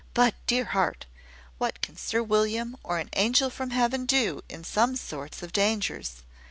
But, dear heart! what can Sir William, or an angel from heaven do, in some sorts of dangers?